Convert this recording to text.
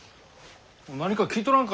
何か聞いとらんか？